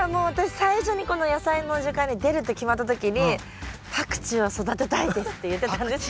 最初にこの「やさいの時間」に出るって決まった時にパクチーを育てたいですって言ってたんですよ。